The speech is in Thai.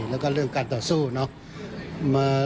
แล้วก็เรื่องการต่อสู้นะครับ